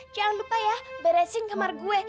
jangan lupa ya beresin kamar gue